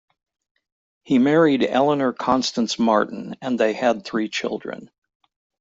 He married Elinor Constance Martin and they had three children.